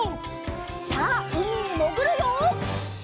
さあうみにもぐるよ！